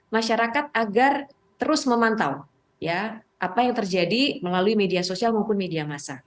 masyarakat agar terus memantau apa yang terjadi melalui media sosial maupun media massa